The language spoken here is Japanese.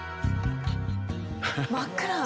真っ暗！